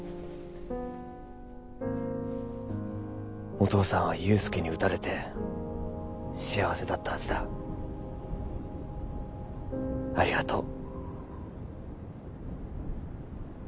お父さんは憂助に撃たれて幸せだったはずだありがとう